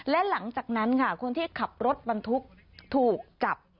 และหลังจากนั้นค่ะคนที่ขับรถบรรทุกถูกจับ